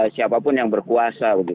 siapapun yang berkuasa